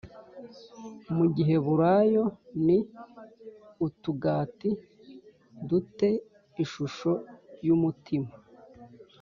Mu giheburayo ni utugati du te ishusho y umutima